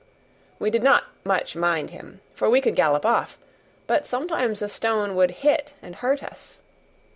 We did not much mind him, for we could gallop off; but sometimes a stone would hit and hurt us.